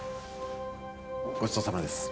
ごちそうさまです